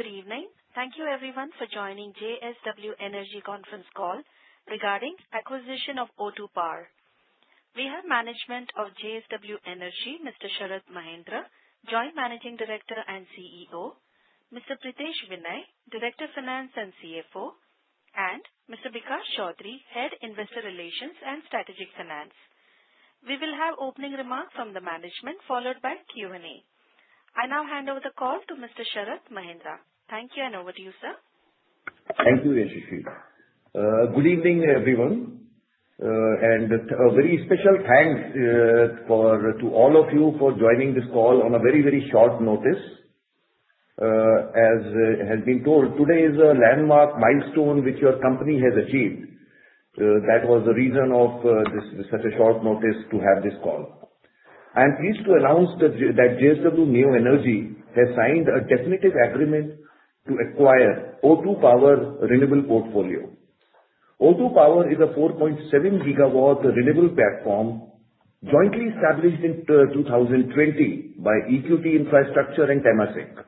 Good evening. Thank you, everyone, for joining JSW Energy conference call regarding acquisition of O2 Power. We have management of JSW Energy, Mr. Sharad Mahendra, Joint Managing Director and CEO, Mr. Pritesh Vinay, Director of Finance and CFO, and Mr. Vikas Chaudhary, Head of Investor Relations and Strategic Finance. We will have opening remarks from the management, followed by Q&A. I now hand over the call to Mr. Sharad Mahendra. Thank you, and over to you, sir. Thank you, JSW. Good evening, everyone, and a very special thanks to all of you for joining this call on a very, very short notice. As has been told, today is a landmark milestone which your company has achieved. That was the reason of such a short notice to have this call. I'm pleased to announce that JSW Neo Energy has signed a definitive agreement to acquire O2 Power's renewable portfolio. O2 Power is a 4.7-gigawatt renewable platform jointly established in 2020 by EQT Infrastructure and Temasek.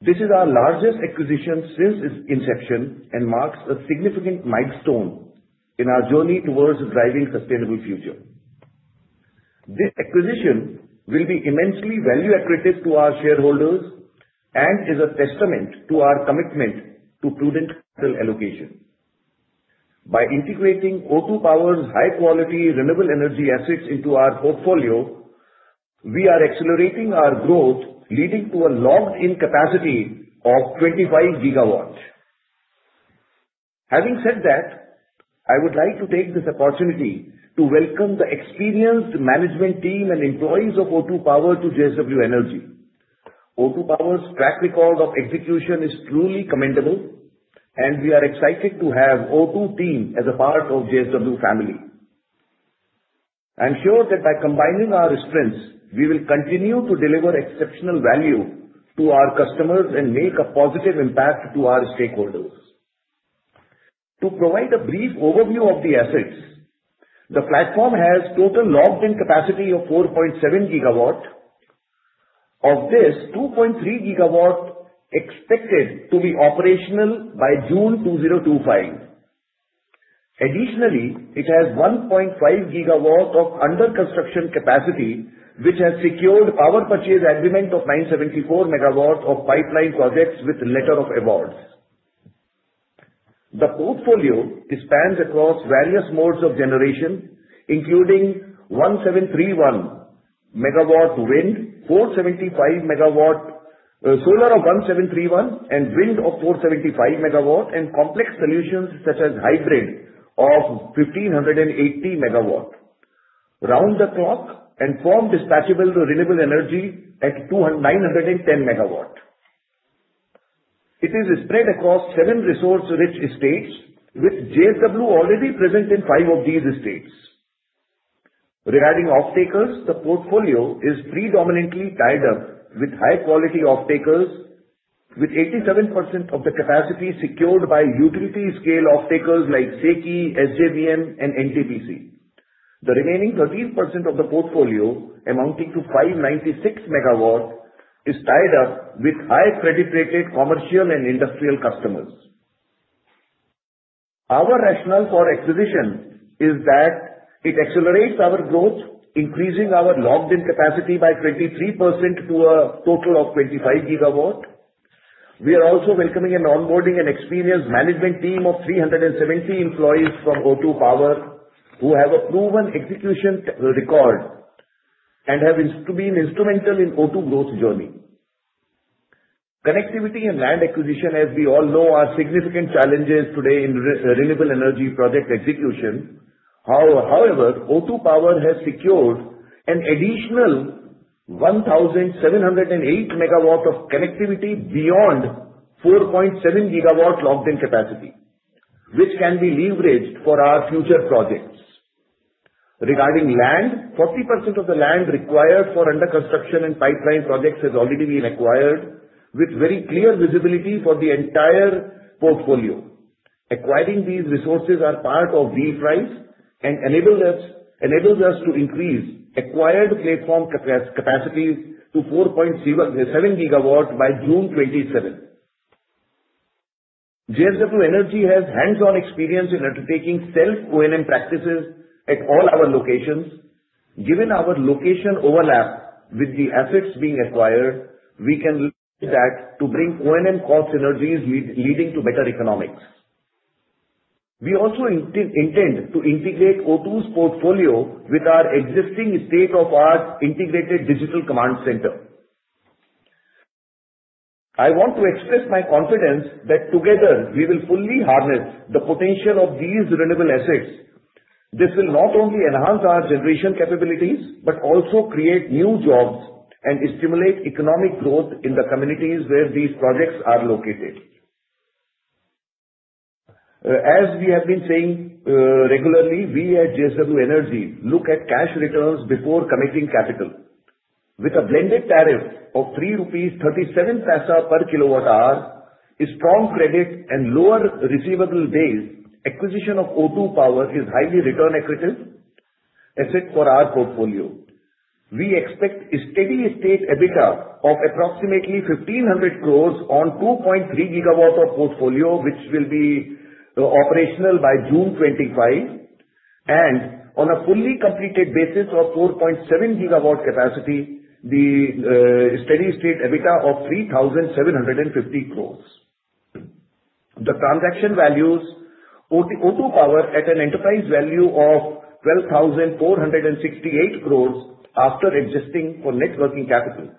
This is our largest acquisition since its inception and marks a significant milestone in our journey towards a driving sustainable future. This acquisition will be immensely value-attractive to our shareholders and is a testament to our commitment to prudent capital allocation. By integrating O2 Power's high-quality renewable energy assets into our portfolio, we are accelerating our growth, leading to a locked-in capacity of 25GW. Having said that, I would like to take this opportunity to welcome the experienced management team and employees of O2 Power to JSW Energy. O2 Power's track record of execution is truly commendable, and we are excited to have the O2 team as a part of the JSW family. I'm sure that by combining our strengths, we will continue to deliver exceptional value to our customers and make a positive impact on our stakeholders. To provide a brief overview of the assets, the platform has a total locked-in capacity of 4.7GW. Of this, 2.3GW are expected to be operational by June 2025. Additionally, it has 1.5GW of under-construction capacity, which has secured a power purchase agreement of 974MW of pipeline projects with letters of awards. The portfolio spans across various modes of generation, including 1731MW wind, 475MW solar of 1731, and wind of 475MW, and complex solutions such as hybrid of 1580MW, round-the-clock, and firm-dispatchable renewable energy at 910MW. It is spread across seven resource-rich states, with JSW already present in five of these states. Regarding off-takers, the portfolio is predominantly tied up with high-quality off-takers, with 87% of the capacity secured by utility-scale off-takers like SECI, SJVN, and NTPC. The remaining 13% of the portfolio, amounting to 596MW, is tied up with high-credit-rated commercial and industrial customers. Our rationale for acquisition is that it accelerates our growth, increasing our locked-in capacity by 23% to a total of 25GW. We are also welcoming and onboarding an experienced management team of 370 employees from O2 Power who have a proven execution record and have been instrumental in the O2 growth journey. Connectivity and land acquisition, as we all know, are significant challenges today in renewable energy project execution. However, O2 Power has secured an additional 1,708MW of connectivity beyond 4.7GW locked-in capacity, which can be leveraged for our future projects. Regarding land, 40% of the land required for under-construction and pipeline projects has already been acquired, with very clear visibility for the entire portfolio. Acquiring these resources is part of the price and enables us to increase acquired platform capacity to 4.7GW by June 27. JSW Energy has hands-on experience in undertaking self-O&M practices at all our locations. Given our location overlap with the assets being acquired, we can use that to bring O&M cost synergies, leading to better economics. We also intend to integrate O2 Power's portfolio with our existing state-of-the-art integrated digital command center. I want to express my confidence that together we will fully harness the potential of these renewable assets. This will not only enhance our generation capabilities but also create new jobs and stimulate economic growth in the communities where these projects are located. As we have been saying regularly, we at JSW Energy look at cash returns before committing capital. With a blended tariff of 3.37 rupees per kilowatt-hour, a strong credit, and lower receivable days, acquisition of O2 Power is highly return-accretive asset for our portfolio. We expect a steady state EBITDA of approximately 1,500 crores on 2.3GW of portfolio, which will be operational by June 25, and on a fully completed basis of 4.7GW capacity, the steady state EBITDA of 3,750 crores. The transaction values O2 Power at an enterprise value of 12,468 crores after adjusting for net working capital.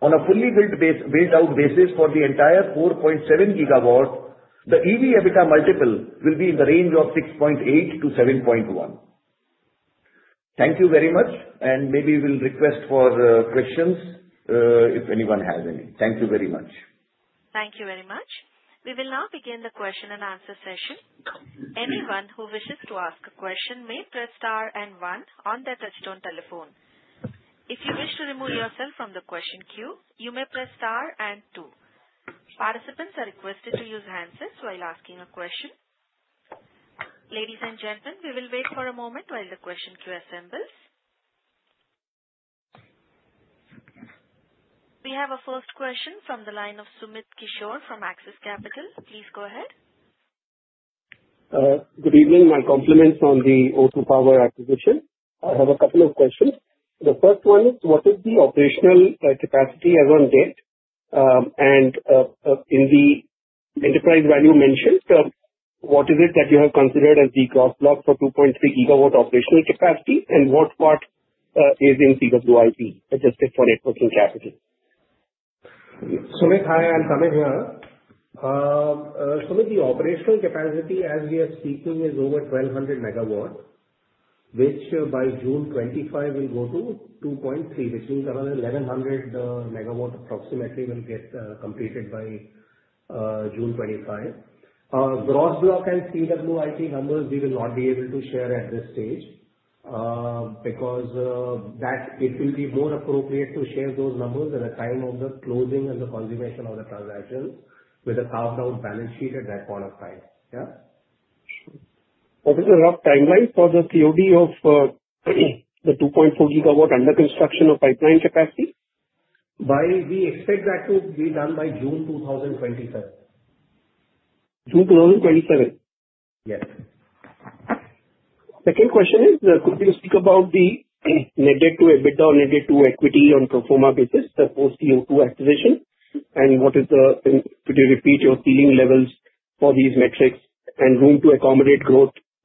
On a fully built-out basis for the entire 4.7GW, the EV EBITDA multiple will be in the range of 6.8-7.1. Thank you very much, and maybe we'll request for questions if anyone has any. Thank you very much. Thank you very much. We will now begin the question and answer session. Anyone who wishes to ask a question may press star and one on their touch-tone telephone. If you wish to remove yourself from the question queue, you may press star and two. Participants are requested to use handsets while asking a question. Ladies and gentlemen, we will wait for a moment while the question queue assembles. We have a first question from the line of Sumit Kishore from Axis Capital. Please go ahead. Good evening. My compliments on the O2 Power acquisition. I have a couple of questions. The first one is, what is the operational capacity as of date? And in the enterprise value mentioned, what is it that you have considered as the gross block for 2.3-gigawatt operational capacity, and what part is in CWIP adjusted for net working capital? Sumit, hi. I'm coming here. Sumit, the operational capacity as we are speaking is over 1,200MW, which by June 25 will go to 2.3, which means another 1,100MW approximately will get completed by June 25. Gross block and CWIP numbers, we will not be able to share at this stage because it will be more appropriate to share those numbers at the time of the closing and the consummation of the transactions with a carved-out balance sheet at that point of time. Yeah? What is the rough timeline for the COD of the 2.4 gigawatt under-construction pipeline capacity? We expect that to be done by June 2027. June 2027? Yes. Second question is, could you speak about the net debt to EBITDA or net debt to equity on a pro forma basis post-O2 acquisition, and what is the, could you repeat your ceiling levels for these metrics and room to accommodate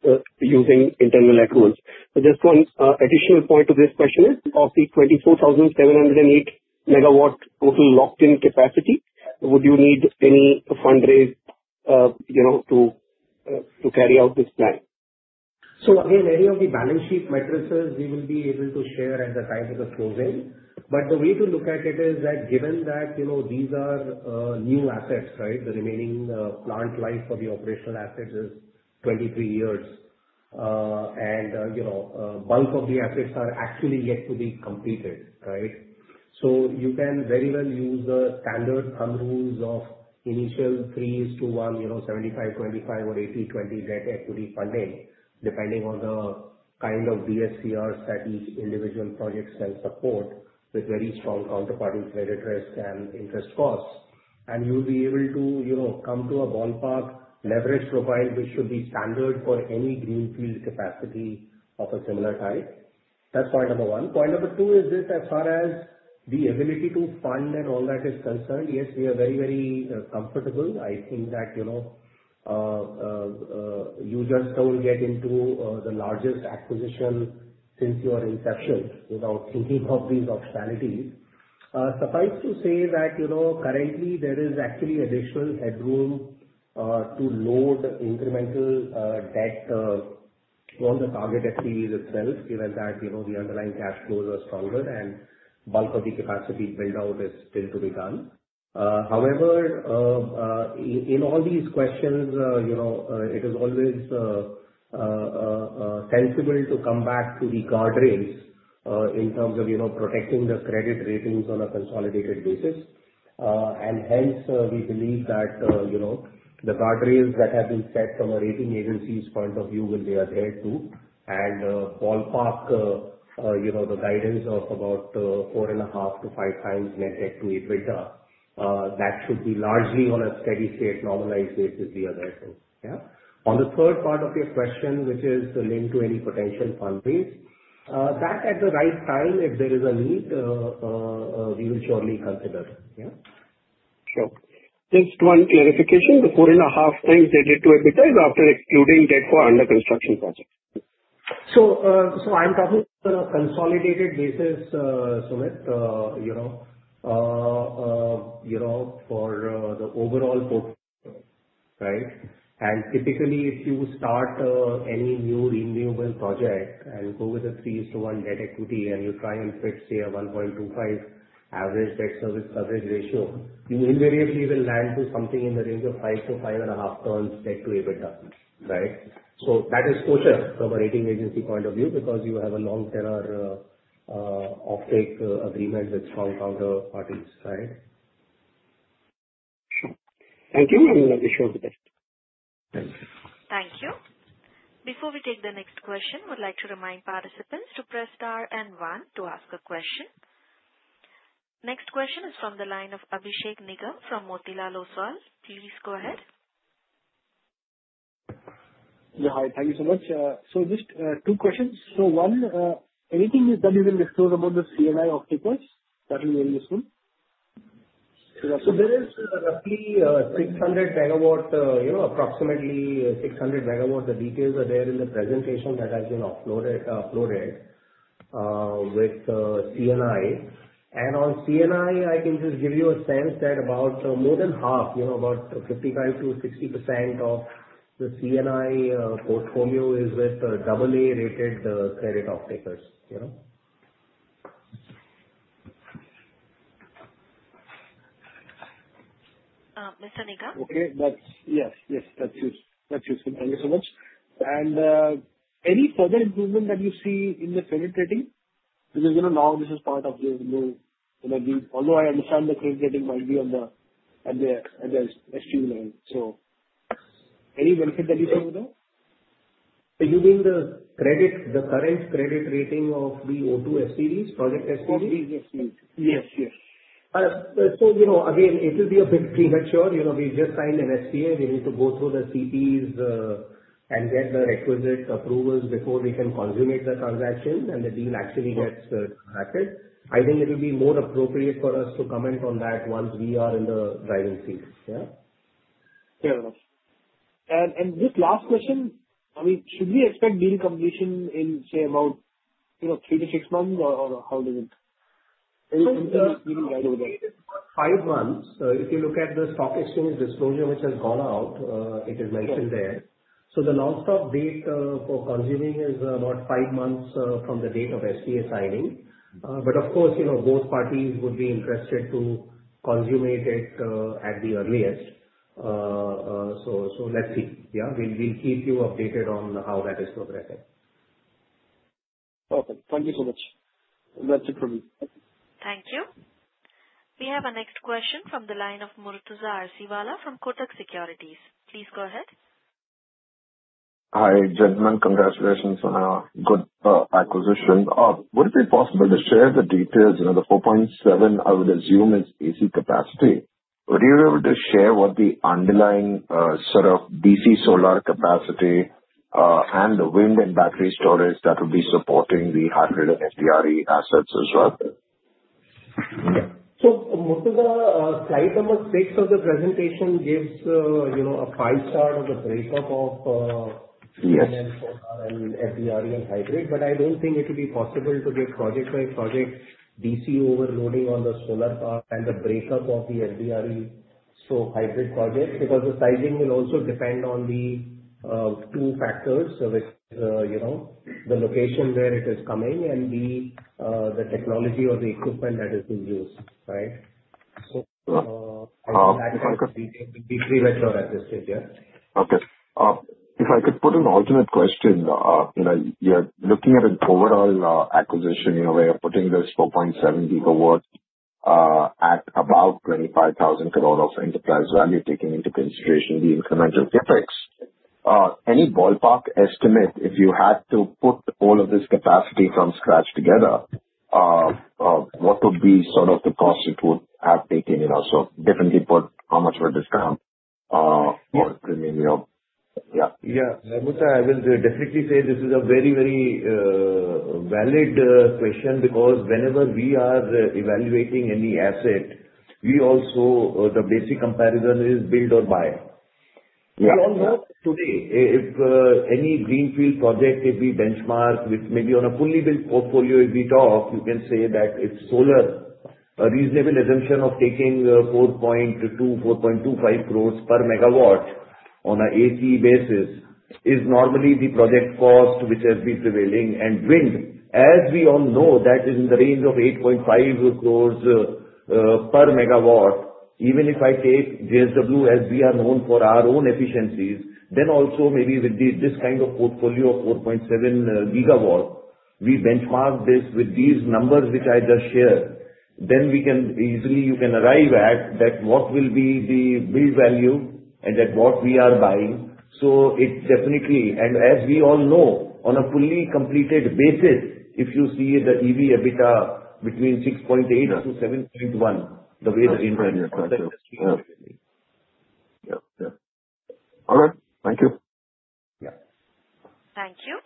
growth using internal accruals? So just one additional point to this question is, of the 24,708 megawatt total locked-in capacity, would you need any fundraise to carry out this plan? So again, any of the balance sheet metrics, we will be able to share at the time of the closing. But the way to look at it is that given that these are new assets, right, the remaining plant life for the operational assets is 23 years, and bulk of the assets are actually yet to be completed, right? So you can very well use the standard funding rules of initial 3:1, 75/25 or 80/20 net equity funding, depending on the kind of DSCRs that each individual project can support with very strong counterparty credit risk and interest costs. And you'll be able to come to a ballpark leverage profile, which should be standard for any greenfield capacity of a similar type. That's point number one. Point number two is this, as far as the ability to fund and all that is concerned, yes, we are very, very comfortable. I think that users don't get into the largest acquisition since your inception without thinking of these optionalities. Suffice to say that currently there is actually additional headroom to load incremental debt on the target SPVs itself, given that the underlying cash flows are stronger and bulk of the capacity build-out is still to be done. However, in all these questions, it is always sensible to come back to the guardrails in terms of protecting the credit ratings on a consolidated basis. And hence, we believe that the guardrails that have been set from a rating agency's point of view will be adhered to. And ballpark the guidance of about four and a half to five times Net Debt to EBITDA, that should be largely on a steady state normalized basis we are adhering to. Yeah? On the third part of your question, which is linked to any potential fundraise, that at the right time, if there is a need, we will surely consider. Yeah? Sure. Just one clarification. The four and a half times net debt to EBITDA is after excluding debt for under-construction projects? So I'm talking on a consolidated basis, Sumit, for the overall portfolio, right? And typically, if you start any new renewable project and go with a 3:1 net equity and you try and fit, say, a 1.25 average debt service coverage ratio, you invariably will land with something in the range of 5 to 5.5 times debt to EBITDA, right? So that is kosher from a rating agency point of view because you have a long-term off-take agreement with strong counterparties, right? Sure. Thank you, and I wish you all the best. Thank you. Thank you. Before we take the next question, we'd like to remind participants to press star and one to ask a question. Next question is from the line of Abhishek Nigam from Motilal Oswal. Please go ahead. Yeah. Hi. Thank you so much. So just two questions. So one, anything that you will explore about the C&I opportunities? That will be very useful. There is roughly 600MW, approximately 600MW. The details are there in the presentation that has been uploaded with C&I. On C&I, I can just give you a sense that about more than half, about 55%-60% of the C&I portfolio is with AA-rated credit off-takers. Mr. Nigam? Okay. Yes. Yes. That's useful. Thank you so much. And any further improvement that you see in the credit rating? Because now this is part of the new, although I understand the credit rating might be on the SPV level. So any benefit that you see over there? Are you doing the current credit rating of the O2 SPVs, project SPVs? Oh, these SPVs. Yes. Yes. So again, it will be a bit premature. We just signed an SPA. We need to go through the CPs and get the requisite approvals before we can consummate the transaction and the deal actually gets contracted. I think it will be more appropriate for us to comment on that once we are in the driving seat. Yeah? Fair enough. And just last question. I mean, should we expect deal completion in, say, about three-to-six months, or how does it? Is it something that's being guided over there? Five months. If you look at the stock exchange disclosure, which has gone out, it is mentioned there. So the notional date for consummation is about five months from the date of SPA signing. But of course, both parties would be interested to consummate it at the earliest. So let's see. Yeah? We'll keep you updated on how that is progressing. Perfect. Thank you so much. That's it from me. Thank you. We have a next question from the line of Murtuza Arsiwalla from Kotak Securities. Please go ahead. Hi, gentlemen. Congratulations on a good acquisition. Would it be possible to share the details? The 4.7, I would assume, is AC capacity. Would you be able to share what the underlying sort of DC solar capacity and the wind and battery storage that would be supporting the hybrid and FDRE assets as well? So Murtuza, slide number six of the presentation gives a pie chart of the breakup of wind and solar and FDRE and hybrid. But I don't think it will be possible to get project-by-project DC overloading on the solar part and the breakup of the FDRE/hybrid project because the sizing will also depend on the two factors, which is the location where it is coming and the technology or the equipment that is in use, right? So I think that kind of detail will be premature at this stage. Yeah? Okay. If I could put an alternate question, you're looking at an overall acquisition where you're putting this 4.7 gigawatt at about 25,000 crores of enterprise value, taking into consideration the incremental CapEx. Any ballpark estimate? If you had to put all of this capacity from scratch together, what would be sort of the cost it would have taken? So definitely put how much would this come? Yes. I mean, yeah. Yeah. I will definitely say this is a very, very valid question because whenever we are evaluating any asset, we also the basic comparison is build or buy. We all know today if any greenfield project is being benchmarked with maybe on a fully built portfolio, if we talk, you can say that it's solar. A reasonable assumption of taking 4.2-4.25 crore per megawatt on an AC basis is normally the project cost, which has been prevailing. And wind, as we all know, that is in the range of 8.5 crore per megawatt. Even if I take JSW, as we are known for our own efficiencies, then also maybe with this kind of portfolio of 4.7GW, we benchmark this with these numbers which I just shared, then we can easily arrive at that what will be the build value and at what we are buying. It definitely and, as we all know, on a fully completed basis, if you see the EV/EBITDA between 6.8-7.1, the way the incremental is being taken. Yeah. Yeah. All right. Thank you. Yeah. Thank you.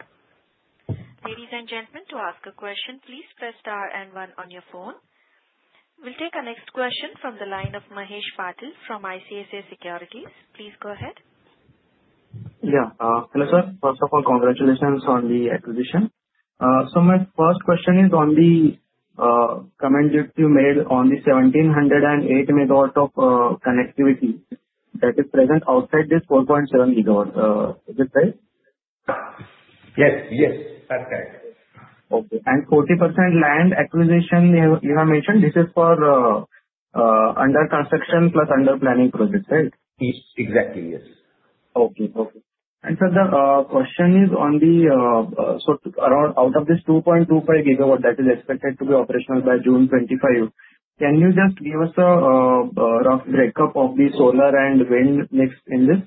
Ladies and gentlemen, to ask a question, please press star and one on your phone. We'll take a next question from the line of Mahesh Patel from ICICI Securities. Please go ahead. Yeah. Hello sir. First of all, congratulations on the acquisition. So my first question is on the comment that you made on the 1,708 megawatt of connectivity that is present outside this 4.7GW. Is it right? Yes. Yes. That's correct. Okay, and 40% land acquisition you have mentioned, this is for under-construction plus under-planning projects, right? Exactly. Yes. Okay. And sir, the question is, so out of this 2.25 gigawatt that is expected to be operational by June 25, can you just give us a rough breakup of the solar and wind mix in this?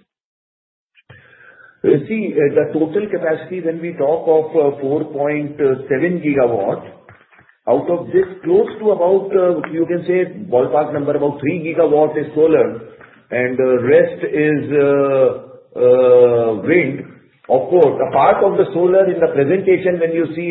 You see, the total capacity, when we talk of 4.7GW, out of this, close to about, you can say, ballpark number, about 3GW is solar, and the rest is wind. Of course, a part of the solar in the presentation, when you see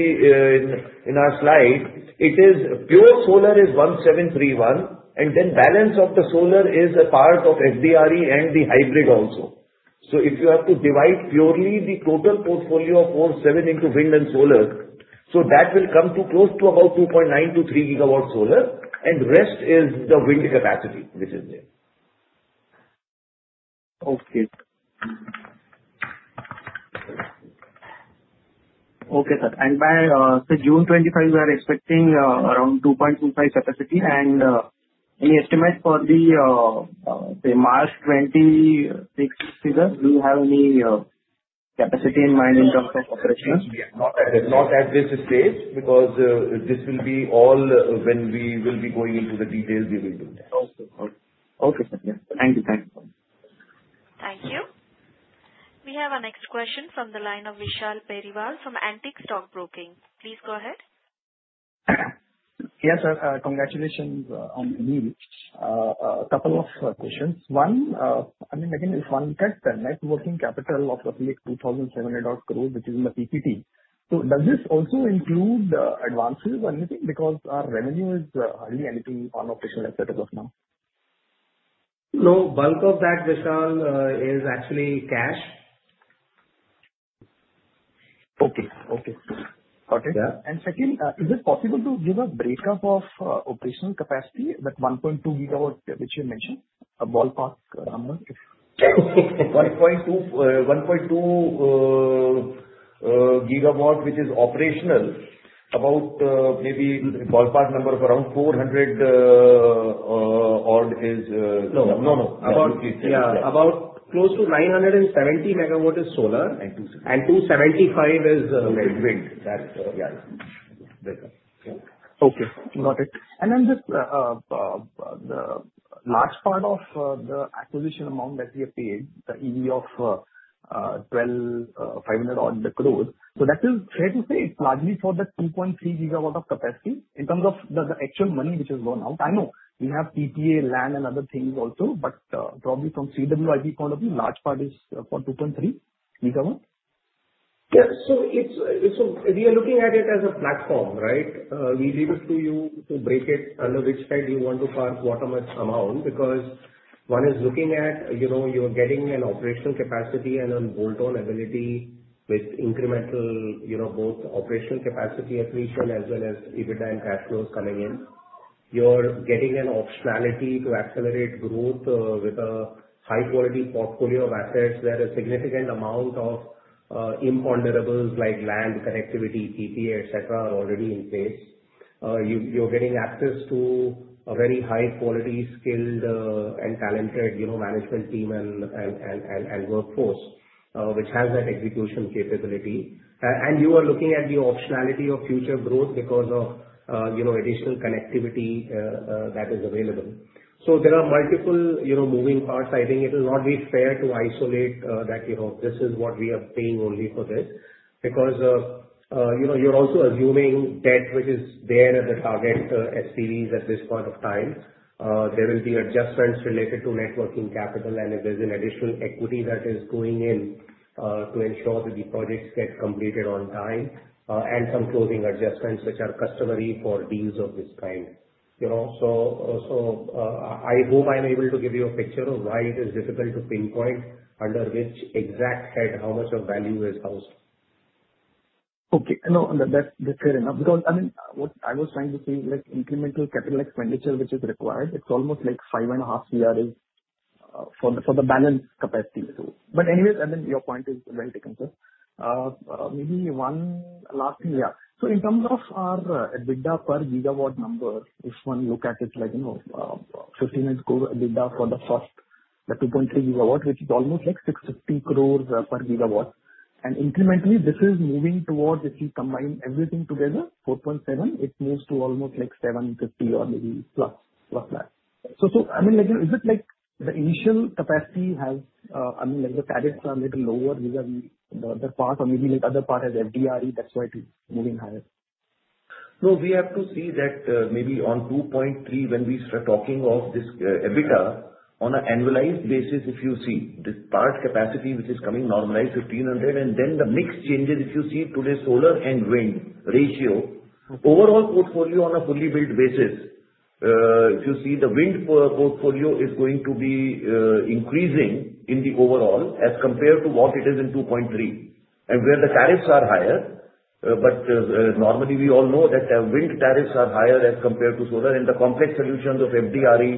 in our slide, it is pure solar is 1,731, and then balance of the solar is a part of FDRE and the hybrid also. So if you have to divide purely the total portfolio of 4.7 into wind and solar, so that will come to close to about 2.9-3GW solar, and the rest is the wind capacity which is there. Okay. Okay, sir. And by June 2025, we are expecting around 2.25 capacity. And any estimate for the March 2026 figure? Do you have any capacity in mind in terms of operation? Not at this stage because this will be all when we will be going into the details, we will do that. Okay. Okay. Thank you. Thank you. Thank you. We have a next question from the line of Vishal Periwal from Antique Stockbroking. Please go ahead. Yes, sir. Congratulations on the news. A couple of questions. One, I mean, again, if one look at the net working capital of roughly 2,700 crores, which is in the PPT, so does this also include advances or anything? Because our revenue is hardly anything on operational assets as of now. No, bulk of that, Vishal, is actually cash. Okay. Okay. Got it. And second, is it possible to give a breakup of operational capacity, that 1.2GW which you mentioned? A ballpark number. 1.2GW, which is operational. About maybe ballpark number of around 400 odd is no, no, no. About close to 970MW is solar, and 275 is wind. That's yeah. Okay. Got it. And then just the last part of the acquisition amount that we have paid, the EV of 12,500 crores, so that is fair to say it's largely for the 2.3 gigawatt of capacity in terms of the actual money which has gone out? I know we have PPA, land, and other things also, but probably from CWIP point of view, large part is for 2.3GW? Yeah. So we are looking at it as a platform, right? We leave it to you to break it under which side you want to park what amount because one is looking at you're getting an operational capacity and a bolt-on ability with incremental both operational capacity at least and as well as EBITDA and cash flows coming in. You're getting an optionality to accelerate growth with a high-quality portfolio of assets where a significant amount of imponderables like land, connectivity, PPA, etc., are already in place. You're getting access to a very high-quality, skilled, and talented management team and workforce which has that execution capability, and you are looking at the optionality of future growth because of additional connectivity that is available, so there are multiple moving parts. I think it will not be fair to isolate that this is what we are paying only for this because you're also assuming debt which is there at the target SPVs at this point of time. There will be adjustments related to net working capital, and if there's an additional equity that is going in to ensure that the projects get completed on time and some closing adjustments which are customary for deals of this kind. So I hope I'm able to give you a picture of why it is difficult to pinpoint under which exact head how much of value is housed. Okay. No, that's fair enough because, I mean, what I was trying to say is incremental capital expenditure which is required. It's almost like 5.5 crores for the balance capacity. But anyways, I mean, your point is very taken. So maybe one last thing. Yeah. So in terms of our EBITDA per gigawatt number, if one looks at it like 1,500 crore EBITDA for the first, the 2.3 gigawatt, which is almost like 650 crores per gigawatt. And incrementally, this is moving towards, if you combine everything together, 4.7, it moves to almost like 750 or maybe plus that. So I mean, is it like the initial capacity has, I mean, the tariffs are a little lower vis-à-vis the part or maybe the other part has FDRE? That's why it is moving higher? No, we have to see that maybe on 2.3 when we start talking of this EBITDA on an annualized basis, if you see this part capacity which is coming normalized to 300, and then the mix changes, if you see today's solar and wind ratio, overall portfolio on a fully built basis, if you see the wind portfolio is going to be increasing in the overall as compared to what it is in 2.3, and where the tariffs are higher, but normally we all know that wind tariffs are higher as compared to solar, and the complex solutions of FDRE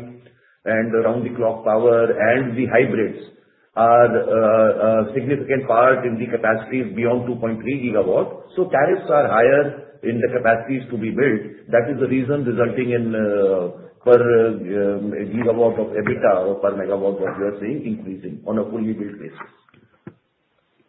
and round-the-clock power and the hybrids are a significant part in the capacities beyond 2.3GW, so tariffs are higher in the capacities to be built. That is the reason resulting in per gigawatt of EBITDA or per megawatt that you are seeing increasing on a fully built basis.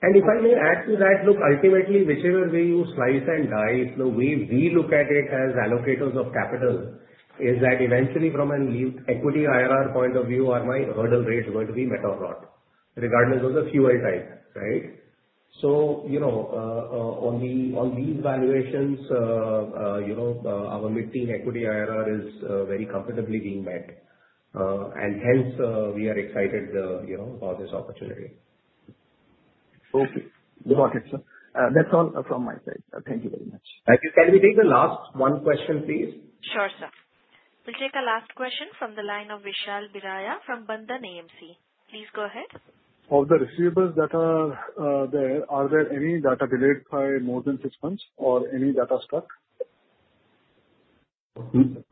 And if I may add to that, look, ultimately, whichever way you slice and dice, the way we look at it as allocators of capital is that eventually from an equity IRR point of view, are my hurdle rates going to be met or not, regardless of the fuel type, right? So on these valuations, our mid-teen equity IRR is very comfortably being met. And hence, we are excited about this opportunity. Okay. Got it, sir. That's all from my side. Thank you very much. Thank you. Can we take the last one question, please? Sure, sir. We'll take a last question from the line of Vishal Biraia from Bandhan AMC. Please go ahead. Of the receivers that are there, are there any that are delayed by more than six months or any that are stuck?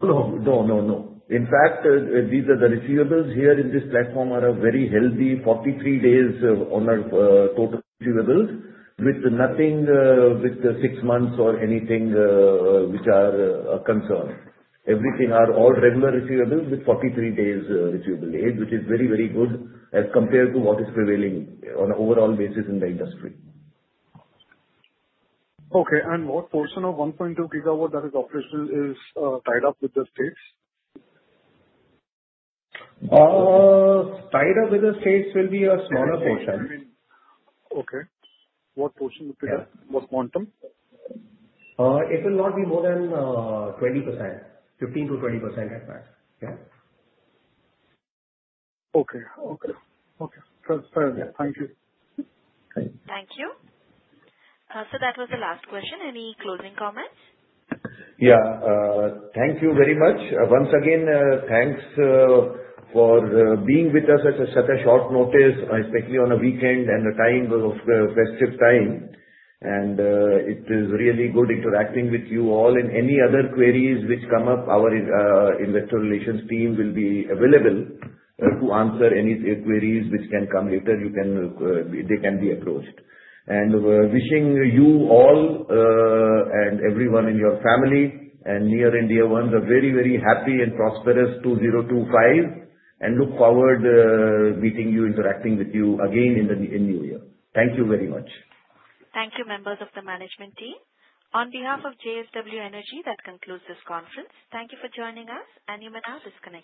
No, no, no, no. In fact, these are the receivables here in this platform are a very healthy 43 days on our total receivables with nothing over six months or anything which are a concern. Everything are all regular receivables with 43 days receivables days, which is very, very good as compared to what is prevailing on an overall basis in the industry. Okay. And what portion of 1.2 gigawatt that is operational is tied up with the states? Tied up with the states will be a smaller portion. Okay. I mean, okay. What portion would be that? What quantum? It will not be more than 20%, 15%-20%, in fact. Yeah? Okay. Okay. Okay. That's fair. Thank you. Thank you. So that was the last question. Any closing comments? Yeah. Thank you very much. Once again, thanks for being with us at such a short notice, especially on a weekend and the time of festive time. And it is really good interacting with you all. And any other queries which come up, our investor relations team will be available to answer any queries which can come later. They can be approached. And wishing you all and everyone in your family and near and dear ones a very, very happy and prosperous 2025, and look forward to meeting you, interacting with you again in the new year. Thank you very much. Thank you, members of the management team. On behalf of JSW Energy, that concludes this conference. Thank you for joining us, and you may now disconnect.